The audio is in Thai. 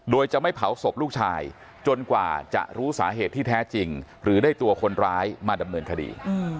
โดยจะไม่เผาศพลูกชายจนกว่าจะรู้สาเหตุที่แท้จริงหรือได้ตัวคนร้ายมาดำเนินคดี